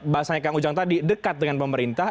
bahasanya kang ujang tadi dekat dengan pemerintah